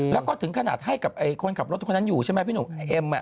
แล้วก็ถึงขนาดให้กับคนขับรถทุกคนนั้นอยู่ใช่ไหมพี่หนุ่มเอ็ม